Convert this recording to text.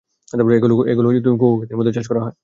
এগুলো কোকো খেতের মধ্যে চাষ করা হয়।